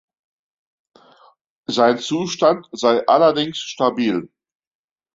Sein Zustand sei allerdings stabil.